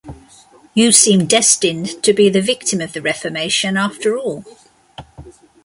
You seem destined to be the victim of the reformation, after all.